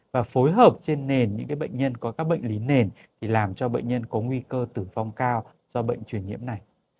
và phối hợp trên nền những bệnh nhân có các bệnh lý nền thì làm cho bệnh nhân có nguy cơ tử vong cao do bệnh truyền nhiễm này